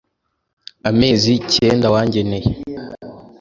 amezi cyenda wangeneye